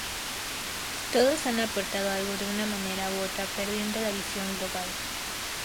Todos han aportado algo de una manera u otra perdiendo la visión global.